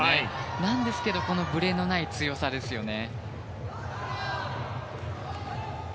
なんですけど、このブレのない強さですよね。